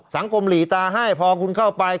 สังคมหลีตาให้พอคุณเข้าไป